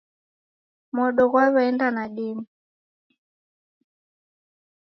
Modo ghaw'aenda nadime.